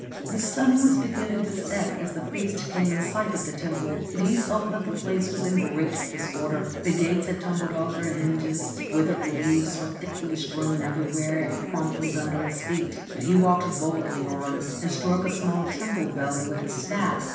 The sun was beginning to set as the priest came in sight of the temple, and he saw that the place was in great disorder. The gates had tumbled off their hinges, withered leaves were thickly strewn everywhere and crumpled under his feet ; but he walked boldly on, and struck a small temple bell with his staff.